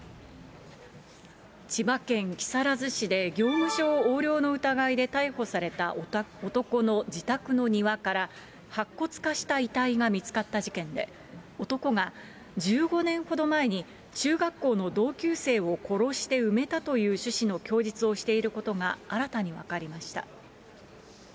千葉県木更津市で業務上横領の疑いで逮捕された男の自宅の庭から、白骨化した遺体が見つかった事件で、男が１５年ほど前に中学校の同級生を殺して埋めたという趣旨の供述をしていることが新たに分かりました。